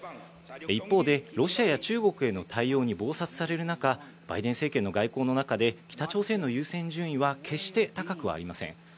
一方でロシアや中国への対応に忙殺される中、バイデン政権の外交の中で北朝鮮の優先順位は決して高くはありません。